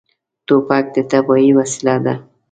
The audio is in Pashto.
توپک د تباهۍ وسیله ده.